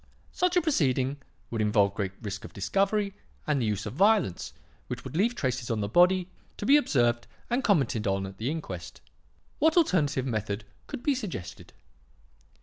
Such a proceeding would involve great risk of discovery and the use of violence which would leave traces on the body, to be observed and commented on at the inquest. What alternative method could be suggested?